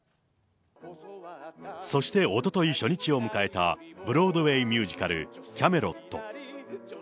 そしておととい初日を迎えたブロードウェイミュージカル、キャメロット。